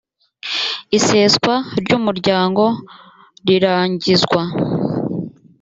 iseswa ry umuryango rirangizwa